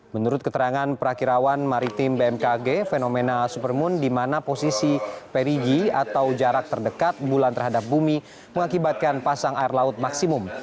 menurut keterangan perakirawan maritim bmkg fenomena supermoon di mana posisi perigi atau jarak terdekat bulan terhadap bumi mengakibatkan pasang air laut maksimum